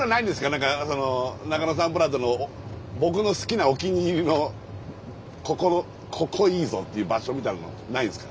何かその中野サンプラザの僕の好きなお気に入りのここいいぞっていう場所みたいなのないんですか？